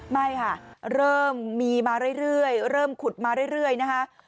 ไม่ค่ะเริ่มมีมาเรื่อยเริ่มขุดมาเรื่อยนะคะ